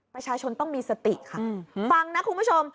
ประชาชนต้องมีสติค่ะฟังนะคุณผู้ชม